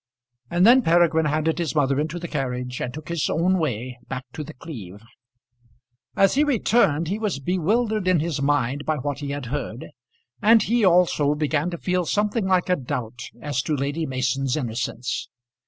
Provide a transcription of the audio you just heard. And then Peregrine handed his mother into the carriage and took his own way back to The Cleeve. As he returned he was bewildered in his mind by what he had heard, and he also began to feel something like a doubt as to Lady Mason's innocence.